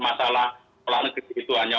masalah negeri itu hanya